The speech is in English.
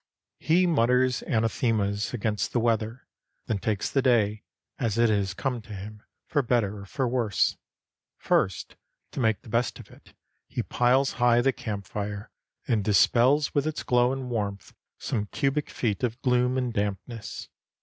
He mutters anathemas against the weather, then takes the day as it has come to him, for better or for worse. First, to make the best of it, he piles high the camp fire, and dispels with its glow and warmth some cubic feet of gloom and dampness.